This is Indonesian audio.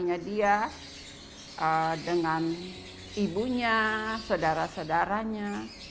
hanya dia dengan ibunya saudara saudaranya